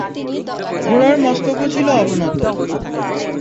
ঘোড়ার মস্তকও ছিল অবনত।